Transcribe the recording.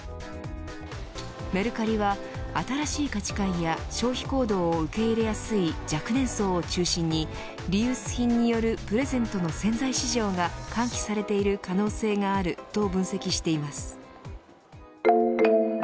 メルカリは新しい価値観や消費行動を受け入れやすい若年層を中心にリユース品によるプレゼントの潜在市場が喚起されている可能性があると分析しています。